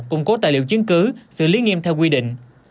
củng cố tài liệu chứng cứ xử lý nghiêm theo quy định